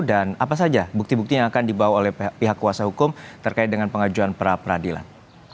dan apa saja bukti bukti yang akan dibawa oleh pihak kuasa hukum terkait dengan pengajuan peradilan